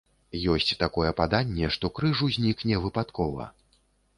Ёсць такое паданне, што крыж узнік не выпадкова.